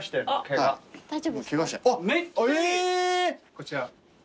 こちら。